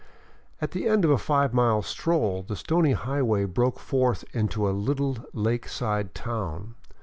At the end of a five mile stroll the stony highway broke forth into a little lake side town.